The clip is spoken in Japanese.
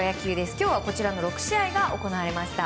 今日は６試合が行われました。